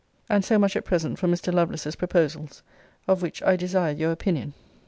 And so much at present for Mr. Lovelace's proposals: Of which I desire your opinion.